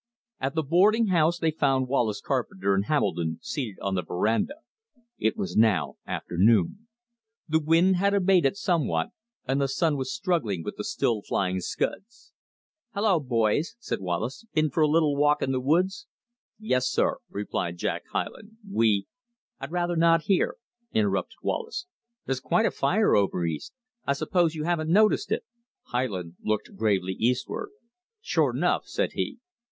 At the boarding house they found Wallace Carpenter and Hamilton seated on the veranda. It was now afternoon. The wind had abated somewhat, and the sun was struggling with the still flying scuds. "Hello, boys," said Wallace, "been for a little walk in the woods?" "Yes, sir," replied Jack Hyland, "we " "I'd rather not hear," interrupted Wallace. "There's quite a fire over east. I suppose you haven't noticed it." Hyland looked gravely eastward. "Sure 'nough!" said he.